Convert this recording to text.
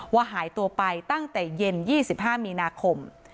หายตัวไปตั้งแต่เย็น๒๕มีนาคม